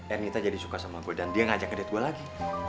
ernita jadi suka sama gue dan dia ngajak ke date gue lagi